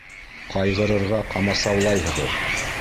Ҡайғырырға ҡамасаулайһығыҙ.